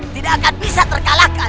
tidak akan bisa terkalahkan